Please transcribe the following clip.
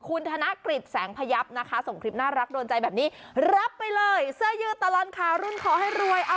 โอ้ยเอาหน้ากลับไป